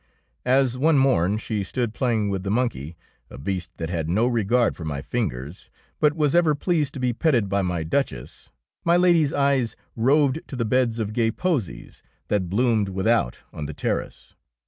As one mom she stood playing with the monkey, a beast that had no regard for my fingers, but was ever pleased to be petted by my Duchess, my Lady's eyes roved to the 40 THE ROBE OF THE DUCHESS beds of gay posies that bloomed without on the terrace.